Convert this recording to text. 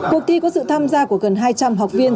cuộc thi có sự tham gia của gần hai trăm linh học viên